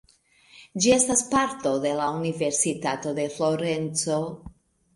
Ĝi estas parto de la Universitato de Florenco.